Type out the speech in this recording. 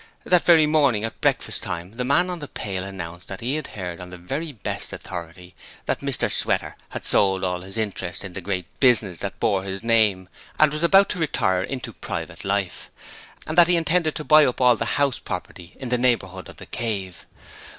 That very morning at breakfast time, the man on the pail had announced that he had heard on the very best authority that Mr Sweater had sold all his interest in the great business that bore his name and was about to retire into private life, and that he intended to buy up all the house property in the neighbourhood of 'The Cave'.